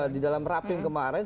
di dalam rapim kemarin